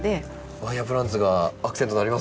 ワイヤープランツがアクセントになりますね。